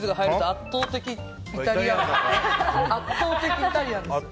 圧倒的イタリアンだね。